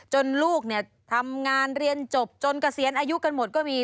ลูกเนี่ยทำงานเรียนจบจนเกษียณอายุกันหมดก็มี